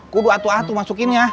gue udah atu atu masukinnya